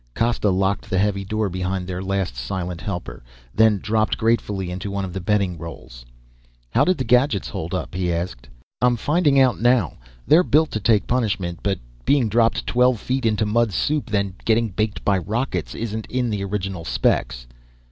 Costa locked the heavy door behind their last silent helper, then dropped gratefully onto one of the bedding rolls. "How did the gadgets hold up?" he asked. "I'm finding out now. They're built to take punishment but being dropped twelve feet into mud soup, then getting baked by rockets isn't in the original specs."